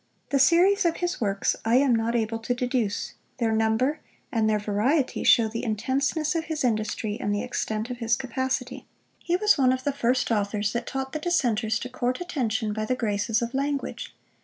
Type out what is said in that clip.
The series of his works I am not able to deduce; their number, and their variety, show the intenseness of his industry, and the extent of his capacity. He was one of the first authors that taught the Dissenters to court attention by the graces of language.